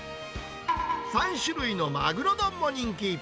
３種類のマグロ丼も人気。